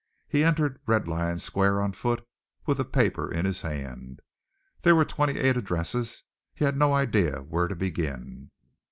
He entered Red Lion Square on foot, with the paper in his hand. There were twenty eight addresses. He had no idea where to begin.